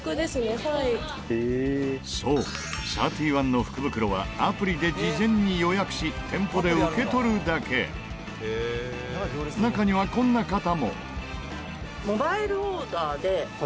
そう、３１の福袋はアプリで事前に予約し店舗で受け取るだけ中には、こんな方もスタッフ：